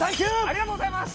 ありがとうございます！